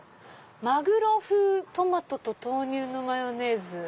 「マグロ風トマトと豆乳のマヨネーズ」。